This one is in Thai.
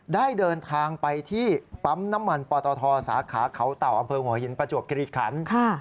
ได้เดินทางไปที่ปั๊มน้ำมันปตทสาขาเขาเต่าอำเภอหัวหินประจวบคิริขัน